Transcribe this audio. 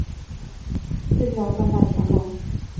又要赚大钱啰